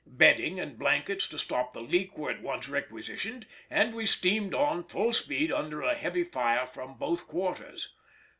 Bedding and blankets to stop the leak were at once requisitioned, and we steamed on full speed under a heavy fire from both quarters.